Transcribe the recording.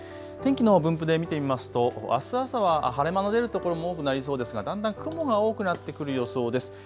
天気の分布で見てみますとあす朝は晴れ間の出るところも多くなりそうですがだんだん雲が多くなってくる予想です。